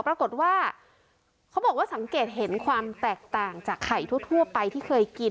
ปรากฏว่าเขาบอกว่าสังเกตเห็นความแตกต่างจากไข่ทั่วไปที่เคยกิน